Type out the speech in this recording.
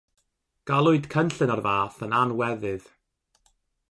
Galwyd cynllun o'r fath yn anweddydd.